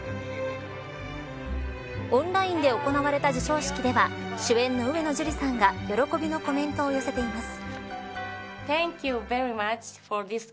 オンラインで行われた授賞式では主演の上野樹里さんが喜びのコメントを寄せています。